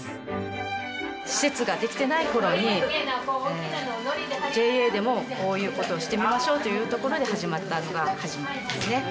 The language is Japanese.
施設ができてない頃にＪＡでもこういう事をしてみましょうというところで始まったのが始まりですね。